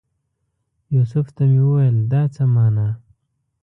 یوسف ته مې وویل دا څه مانا؟